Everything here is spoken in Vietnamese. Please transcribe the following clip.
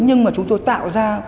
nhưng mà chúng tôi tạo ra